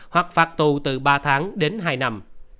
hoặc phạt tù từ ba tháng đến hai năm